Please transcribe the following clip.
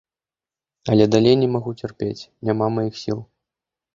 Але далей не магу цярпець, няма маіх сіл.